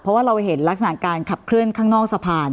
เพราะว่าเราเห็นลักษณะการขับเคลื่อนข้างนอกสะพาน